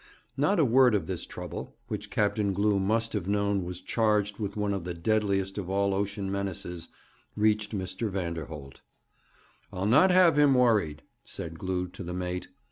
Not a word of this trouble, which Captain Glew must have known was charged with one of the deadliest of all ocean menaces, reached Mr. Vanderholt. 'I'll not have him worried,' said Glew to the mate.